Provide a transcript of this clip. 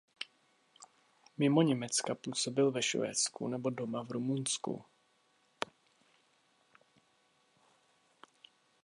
Mimo Německa působil ve Švédsku nebo doma v Rumunsku.